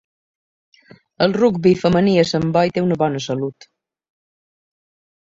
El rugbi femení a Sant Boi té una bona salut.